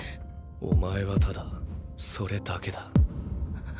お前はただそれだけだ。